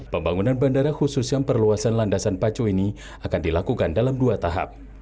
pembangunan bandara khususnya perluasan landasan pacu ini akan dilakukan dalam dua tahap